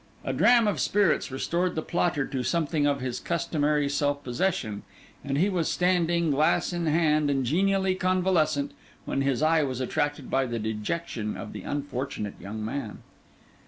A dram of spirits restored the plotter to something of his customary self possession; and he was standing, glass in hand and genially convalescent, when his eye was attracted by the dejection of the unfortunate young man.